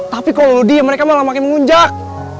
tapi kalo lo diem mereka malah makin mengunjak